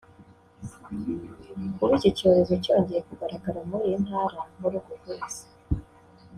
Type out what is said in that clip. Kuba iki cyorezo cyongeye kugaragara muri iyi Ntara muri uku kwezi